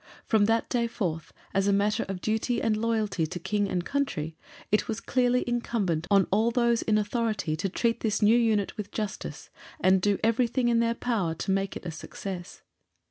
From that day forth, as a matter of duty and loyalty to King and Country, it was clearly incumbent on all those in authority to treat this new unit with justice, and do everything in their power to make it a success.